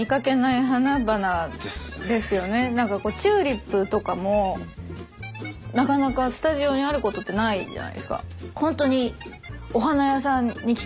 なんかこうチューリップとかもなかなかスタジオにあることってないじゃないですか。